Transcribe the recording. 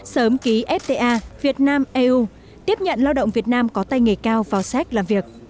sớm ký fta việt nam eu tiếp nhận lao động việt nam có tay nghề cao vào séc làm việc